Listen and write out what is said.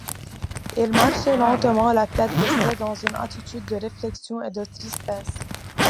Il marchait lentement, la tête baissée, dans une attitude de réflexion et de tristesse.